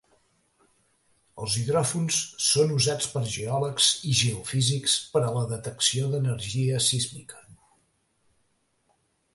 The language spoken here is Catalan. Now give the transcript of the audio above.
Els hidròfons són usats per geòlegs i geofísics per a la detecció d'energia sísmica.